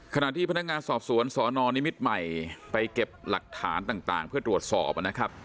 ขณะที่พนักงานสอบสวนสนนิมิตรใหม่ไปเก็บหลักฐานต่างเพื่อตรวจสอบนะครับ